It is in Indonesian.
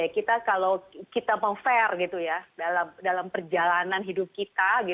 kalau kita mau fair dalam perjalanan hidup kita